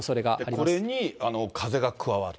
これに風が加わると？